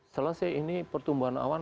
setelah ini pertumbuhan awan